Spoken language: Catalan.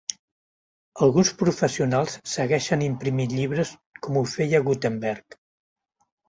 Alguns professionals segueixen imprimint llibres com ho feia Gutenberg.